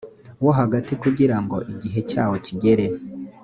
wo hagati kugira ngo igihe cyawo kigere